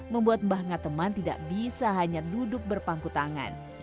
membuat banga teman tidak bisa hanya duduk berpangku tangan